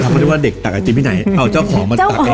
เราไม่รู้ว่าเด็กตักไอศครีมที่ไหนเอาเจ้าของมาตักให้เข้า